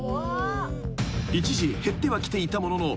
［一時減ってはきていたもののＬＩＮＥ